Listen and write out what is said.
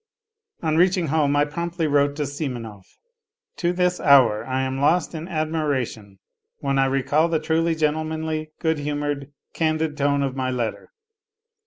On reaching home I promptly wrote to Simonov. To this hour I am lost in admiration when I recall the truly gentlemanly, good humoured, candid tone of my letter.